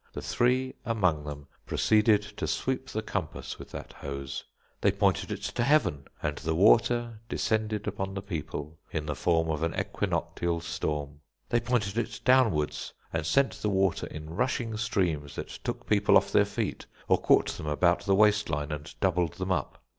The three among them proceeded to sweep the compass with that hose. They pointed it to heaven, and the water descended upon the people in the form of an equinoctial storm. They pointed it downwards, and sent the water in rushing streams that took people off their feet, or caught them about the waist line, and doubled them up.